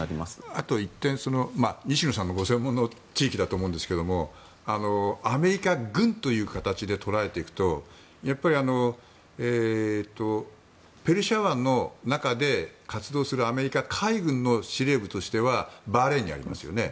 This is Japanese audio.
あと１点、西野さんのご専門の地域だと思うんですがアメリカ軍という形で捉えていくとペルシャ湾の中で活動するアメリカ海軍の司令部としてはバーレーンにありますよね。